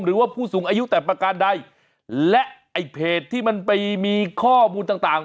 หรือว่าผู้สูงอายุแต่ประการใดและไอ้เพจที่มันไปมีข้อมูลต่างต่าง